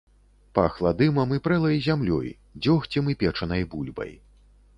Пахла дымам і прэлай зямлёй, дзёгцем і печанай бульбай.